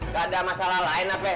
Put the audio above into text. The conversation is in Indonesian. gak ada masalah lain apa